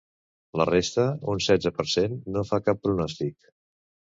La resta, un setze per cent, no fa cap pronòstic.